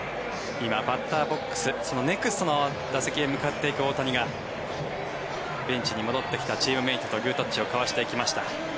今、バッターボックスそのネクストの打席へ向かっていく大谷がベンチに戻ってきたチームメートとグータッチを交わしていきました。